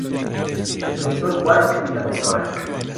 El Dr. Watts y la Dra.